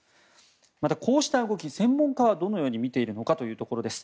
またこうした動き、専門家はどのように見ているのかというところです。